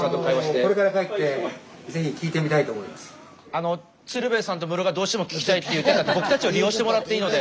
これから帰って鶴瓶さんとムロがどうしても聞きたいって言ってたって僕たちを利用してもらっていいので。